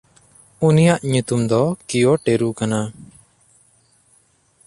ᱩᱱᱤᱭᱟᱜ ᱧᱩᱛᱩᱢ ᱫᱚ ᱠᱤᱭᱚᱴᱮᱨᱩ ᱠᱟᱱᱟ᱾